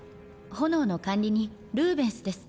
炎の管理人ルーベンスです。